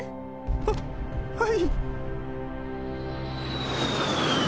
はっはい！